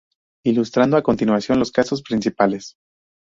Ilustrando a continuación los casos principales.